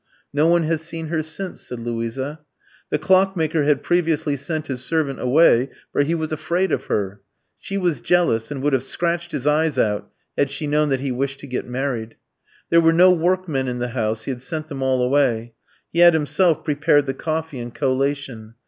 "'No one has seen her since,' said Luisa. "The clockmaker had previously sent his servant away, for he was afraid of her. She was jealous, and would have scratched his eyes out had she known that he wished to get married. "There were no workmen in the house, he had sent them all away; he had himself prepared the coffee and collation.